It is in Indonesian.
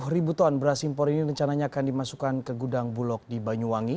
sepuluh ribu ton beras impor ini rencananya akan dimasukkan ke gudang bulog di banyuwangi